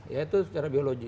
ya itu secara biologis